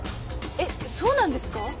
えっそうなんですか？